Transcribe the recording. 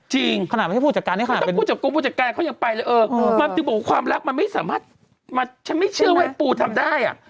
จริงผู้จัดการเขายังไปเลยเออความรักมันไม่สามารถมาฉันไม่เชื่อว่าไอ้ปูทำได้อ่ะ